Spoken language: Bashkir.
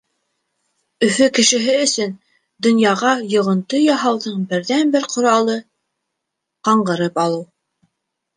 Өфө кешеһе өсөн донъяға йоғонто яһауҙың берҙән-бер ҡоралы — ҡаңғырып алыу.